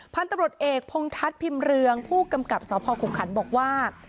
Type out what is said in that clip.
พันธบรรดเอกพงทัศน์พิมเรืองผู้กำกับสภคุมขันต์บอกว่า